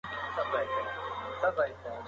تاسو باید مېوې تر خوړلو وړاندې په پاکو اوبو ومینځئ.